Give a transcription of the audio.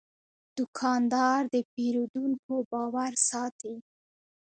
دوکاندار د پیرودونکو باور ساتي.